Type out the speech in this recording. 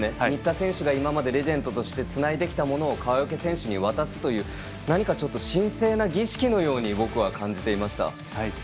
新田選手が今までレジェンドとしてつないできたものを川除選手に渡すという何か神聖な儀式のように僕は感じていました。